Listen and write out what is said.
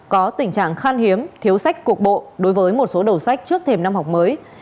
có tình trạng khan hiếm thiếu sách cuộc bộ đối với một số đầu sách trước thềm năm học mới